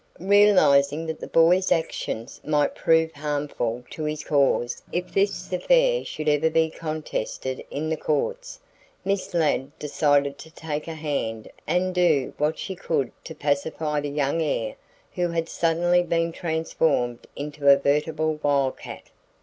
Realizing that the boy's actions might prove harmful to his cause if this affair should ever be contested in the courts, Miss Ladd decided to take a hand and do what she could to pacify the young heir who had suddenly been transformed into a veritable wildcat.